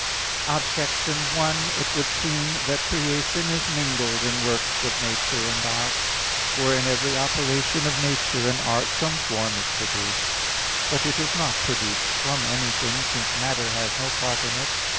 Objection 1: It would seem that creation is mingled in works of nature and art. For in every operation of nature and art some form is produced. But it is not produced from anything, since matter has no part in it.